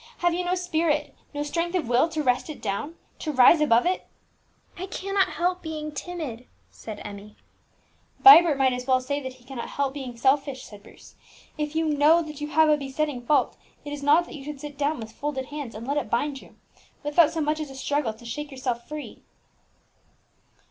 "Have you no spirit, no strength of will to wrestle it down, to rise above it?" "I cannot help being timid," sighed Emmie. "Vibert might as well say that he cannot help being selfish," said Bruce. "If you know that you have a besetting fault, it is not that you should sit down with folded hands and let it bind you, without so much as a struggle to shake yourself free."